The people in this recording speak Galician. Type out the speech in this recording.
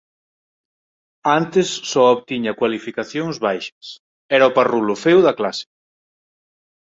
Antes só obtiña cualificacións baixas; era o parrulo feo da clase.»